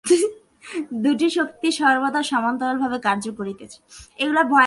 দুইটি শক্তি সর্বদা সমান্তরালভাবে কার্য করিতেছে।